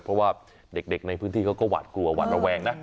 เพราะว่าเด็กในพื้นที่เขาก็หวาดกลัวหวาดระแวงนะ